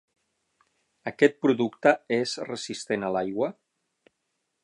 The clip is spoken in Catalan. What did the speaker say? Aquest producte és resistent a l'aigua?